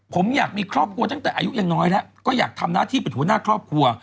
ผมอยากมีครอบครัวตั้งแต่อายุยังน้อยแล้วก็อยากทำหน้าที่เป็นหัวหน้าครอบครัว